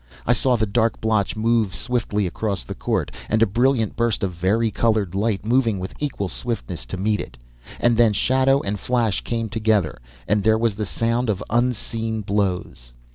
I saw the dark blotch move swiftly across the court, and a brilliant burst of vari colored light moving with equal swiftness to meet it; and then shadow and flash came together and there was the sound of unseen blows.